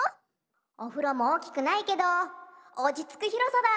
おふろもおおきくないけどおちつくひろさだ。